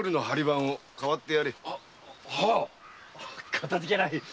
かたじけない。